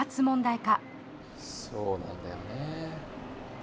そうなんだよね。